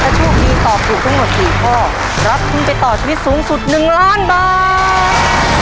ถ้าโชคดีตอบถูกทั้งหมด๔ข้อรับทุนไปต่อชีวิตสูงสุด๑ล้านบาท